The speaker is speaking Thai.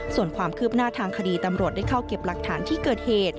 ส่วนความคืบหน้าทางคดีตำรวจได้เข้าเก็บหลักฐานที่เกิดเหตุ